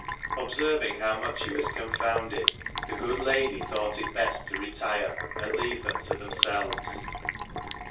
Observing how much he was confounded, the good lady thought it best to retire, and leave them to themselves.